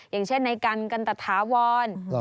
อย่างเช่นในกันกันตะถาวร